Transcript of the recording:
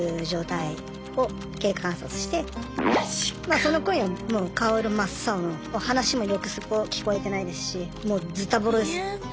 そのころにはもう顔色真っ青の話もろくすっぽ聞こえてないですしもうズタボロです。